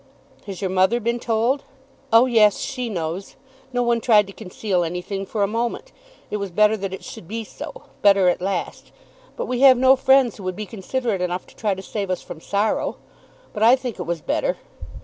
"Has your mother been told?" "Oh yes. She knows. No one tried to conceal anything for a moment. It was better that it should be so; better at last. But we have no friends who would be considerate enough to try to save us from sorrow. But I think it was better.